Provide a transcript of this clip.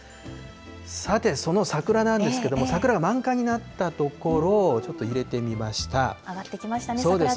さて、その桜なんですけれども、桜が満開になった所、ちょっと入上がってきましたね、桜前線が。